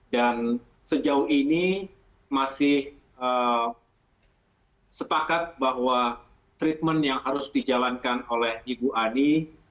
dan sejauh ini masih sepakat bahwa treatment yang harus dijalankan oleh ibu ani